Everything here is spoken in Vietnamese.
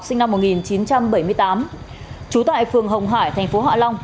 sinh năm một nghìn chín trăm bảy mươi tám trú tại phường hồng hải tp hạ long